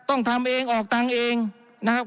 ออกตังค์เองนะครับ